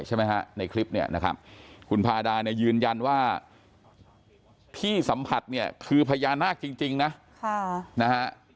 ใช่ไหมฮะในคลิปเนี่ยนะครับคุณพาดาเนี่ยยืนยันว่าที่สัมผัสเนี่ยคือพญานาคจริงนะนะฮะ